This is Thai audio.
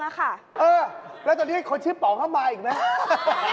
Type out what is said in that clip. ค่ะเออแล้วตอนนี้คนชื่อป๋องเข้ามาอีกไหม